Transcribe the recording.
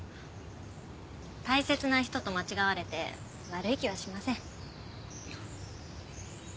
大切な人と間違われて悪い気はしません。